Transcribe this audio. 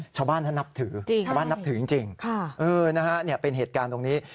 ชาวบ้านท่านนับถือชาวบ้านนับถือจริงเป็นเหตุการณ์ตรงนี้